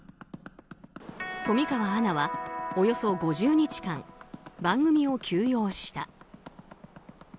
富川アナはおよそ５０日間、番組を休養した。